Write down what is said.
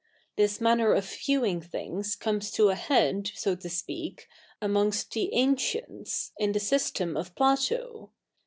This mafiner of viewing thi?igs comes to a head, so to speak, atfiofigst the a?tcieftts, ifi the system of Plato.